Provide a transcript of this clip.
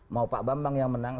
mau pak bambang yang menang